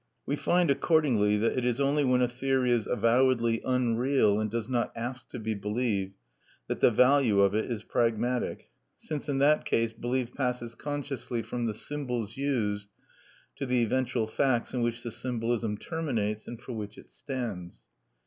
We find, accordingly, that it is only when a theory is avowedly unreal, and does not ask to be believed, that the value of it is pragmatic; since in that case belief passes consciously from the symbols used to the eventual facts in which the symbolism terminates, and for which it stands.